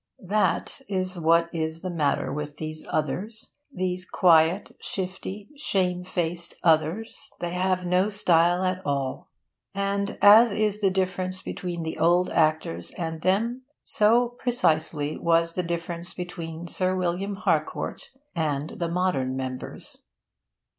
That is what is the matter with these others these quiet, shifty, shamefaced others they have no style at all. And as is the difference between the old actor and them, so, precisely was the difference between Sir William Harcourt and the modern members.